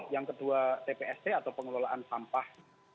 yang kedua tpst atau pengelolaan sampah